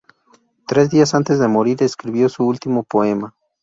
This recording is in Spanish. Tres días antes de morir escribió su último poema.